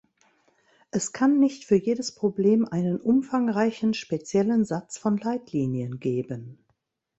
Es kann nicht für jedes Problem einen umfangreichen speziellen Satz von Leitlinien geben.